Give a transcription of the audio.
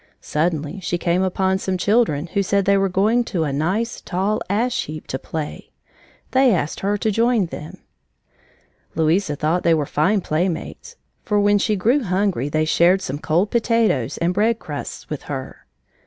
Suddenly she came upon some children who said they were going to a nice, tall ash heap to play. They asked her to join them. Louisa thought they were fine playmates, for when she grew hungry they shared some cold potatoes and bread crusts with her.